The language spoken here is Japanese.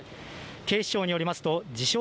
警視庁によりますと自称